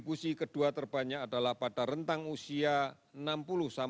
buset atas terserangan pasien kemudian umum perusahaan